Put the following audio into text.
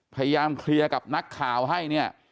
พยายามเคลียร์กับนักข่าวให้เนี่ย